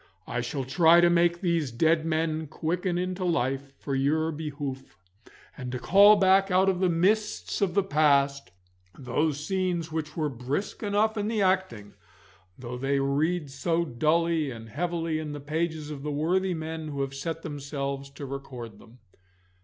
I shall try to make these dead men quicken into life for your behoof, and to call back out of the mists of the past those scenes which were brisk enough in the acting, though they read so dully and so heavily in the pages of the worthy men who have set themselves to record them.